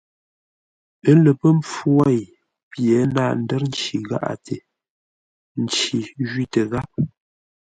Ə́ lə pə́ mpfu wêi, pye náa ndə́r nci gháʼate; nci jwítə gháp.